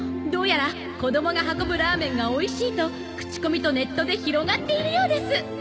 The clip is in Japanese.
どうやら子供が運ぶラーメンがおいしいと口コミとネットで広がっているようです。